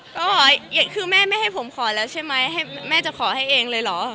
ก็คือแม่ไม่ให้ผมขอแล้วใช่ไหมให้แม่จะขอให้เองเลยเหรอ